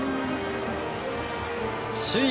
首位